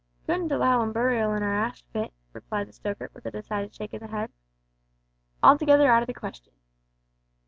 "Couldn't allow 'im burial in our ashpit," replied the stoker, with a decided shake of the head; "altogether out of the question."